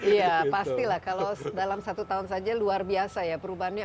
iya pastilah kalau dalam satu tahun saja luar biasa ya perubahannya